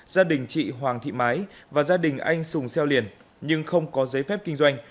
gia đình chị hoàng thị mái và gia đình anh sùng xeo liền nhưng không có giấy phép kinh doanh